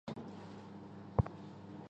治所约在今越南乂安省南坛县境内。